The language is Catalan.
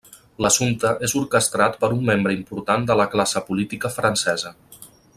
L'assumpte és orquestrat per un membre important de la classe política francesa.